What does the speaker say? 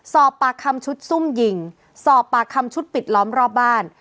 สอบปากคำชุดซุ่มยิงสอบปากคำชุดปิดล้อมรอบบ้าน